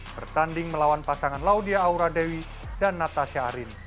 bertanding melawan pasangan laudia aura dewi dan natasha arin